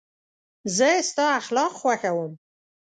زه ستا اخلاق خوښوم.